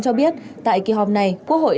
cho biết tại kỳ họp này quốc hội